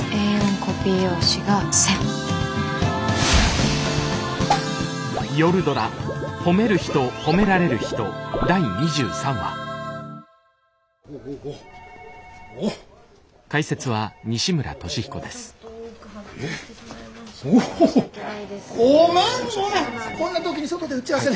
こんな時に外で打ち合わせで。